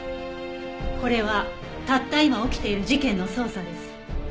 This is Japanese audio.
これはたった今起きている事件の捜査です。